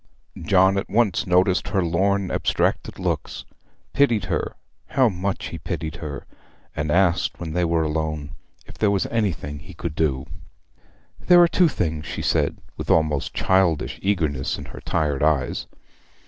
John at once noticed her lorn, abstracted looks, pitied her, how much he pitied her! and asked when they were alone if there was anything he could do. 'There are two things,' she said, with almost childish eagerness in her tired eyes.